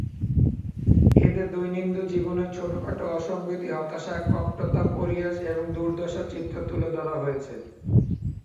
এতে দৈনন্দিন জীবনের ছোটখাটো অসঙ্গতি, হতাশা, কপটতা, পরিহাস এবং দুর্দশার চিত্র তুলে ধরা হয়েছে।